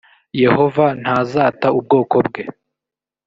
yehova ntazata ubwoko bwe